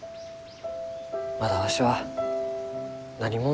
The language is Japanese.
まだわしは何者でもない。